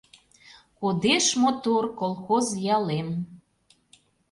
Кодеш мотор колхоз ялем.